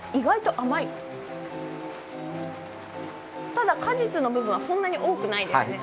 ただ、果実の部分はそんなに多くないですね。